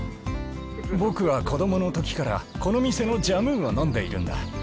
僕は子どものときからこの店のジャムウを飲んでいるんだ。